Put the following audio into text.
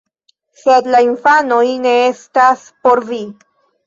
Sed la infanoj ne estas por vi